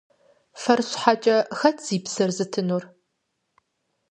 Фэр щхьэкӀэ хэт зи псэр зытынур?